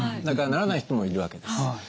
だからならない人もいるわけです。